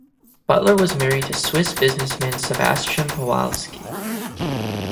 Butler was married to Swiss businessman Sebastian Pawlowski.